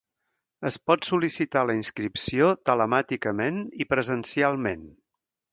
Es pot sol·licitar la inscripció telemàticament i presencialment.